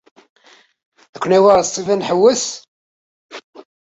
Ad ken-awiɣ ɣer Ṣṭif ad nḥewweṣ?